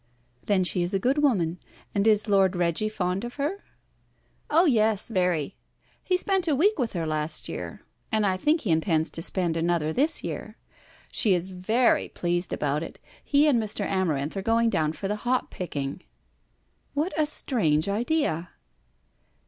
"Then she is a good woman. And is Lord Reggie fond of her?" "Oh yes, very. He spent a week with her last year, and I think he intends to spend another this year. She is very pleased about it. He and Mr. Amarinth are going down for the hop picking." "What a strange idea!"